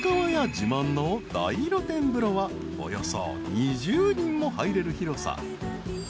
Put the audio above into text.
自慢の大露天風呂はおよそ２０人も入れる広さ］